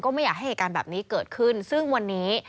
ไม่อยากให้เหตุการณ์แบบนี้เกิดขึ้นซึ่งวันนี้